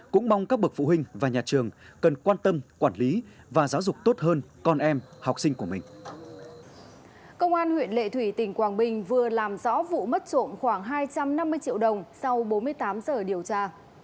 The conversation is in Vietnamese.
công an huyện lệ thủy tỉnh quảng bình vừa làm rõ vụ mất trộm khoảng hai trăm năm mươi triệu đồng sau bốn mươi tám giờ điều tra